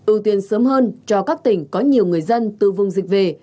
ưu tiên sớm hơn cho các tỉnh có nhiều người dân từ vùng dịch về